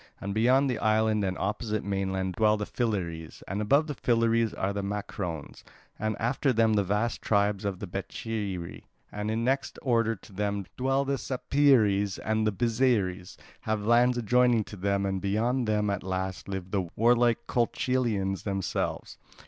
And beyond the island and opposite mainland dwell the Philyres: and above the Philyres are the Macrones, and after them the vast tribes of the Becheiri. And next in order to them dwell the Sapeires, and the Byzeres have the lands adjoining to them, and beyond them at last live the warlike Colchians themselves.